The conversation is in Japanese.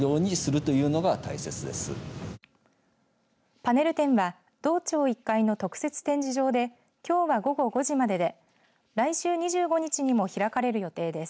パネル展は道庁１階の特設展示場できょうは午後５時までで来週２５日にも開かれる予定です。